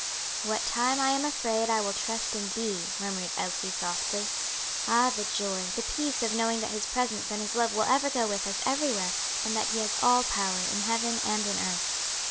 '" "'What time I am afraid I will trust in Thee,'" murmured Elsie, softly. "Ah, the joy, the peace, of knowing that His presence and His love will ever go with us everywhere; and that He has all power in heaven and in earth."